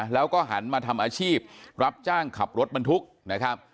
แล้วก็หันมาทำอาชีพรับจ้างขับรถบรรทุกนะครับ